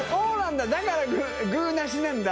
だからグなしなんだ。